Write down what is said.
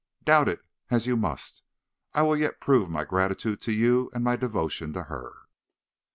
Doubt it as you must, I will yet prove my gratitude to you, and my devotion to her.